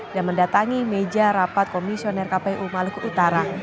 dan mendatangi meja rapat komisioner kpu maluku utara